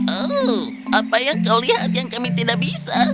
oh apa yang kau lihat yang kami tidak bisa